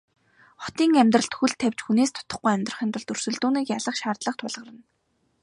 Хотын амьдралд хөл тавьж хүнээс дутахгүй амьдрахын тулд өрсөлдөөнийг ялах шаардлага тулгарна.